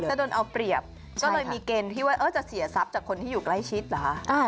จะโดนเอาเปรียบก็เลยมีเกณฑ์ที่ว่าจะเสียทรัพย์จากคนที่อยู่ใกล้ชิดเหรอคะ